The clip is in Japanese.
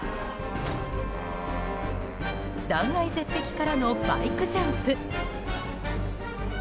断崖絶壁からのバイクジャンプ。